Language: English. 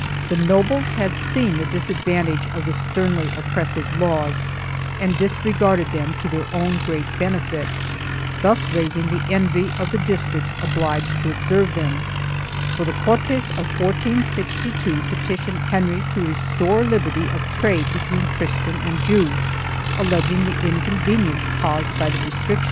4 The nobles had seen the disadvantage of the sternly oppressive laws and disregarded them to their own great benefit, thus raising the envy of the districts obliged to observe them, for the Cortes of 1462 petitioned Henry to restore liberty of trade between Chris tian and Jew, alleging the inconvenience caused by the restriction \» Amador de los Rios, III, 583 9.